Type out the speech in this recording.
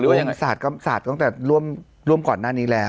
หรือว่าอย่างเงี้ยสาดก็สาดตั้งแต่ร่วมร่วมก่อนหน้านี้แล้ว